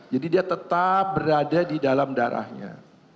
jadi dia tetap berada di dalam darahnya